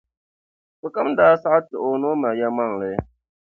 Sokam daa saɣiti o ni o mali yɛlimaŋli.